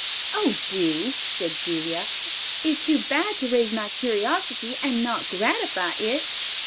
"Oh, do," said Julia. "It too bad to raise my curiosity and not gratify it."